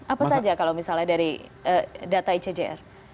apa saja kalau misalnya dari data icjr